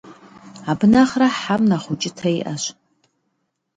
Абы нэхърэ хьэм нэхъ укӀытэ иӀэщ.